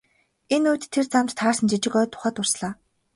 Энэ үед тэр замд таарсан жижиг ойн тухай дурслаа.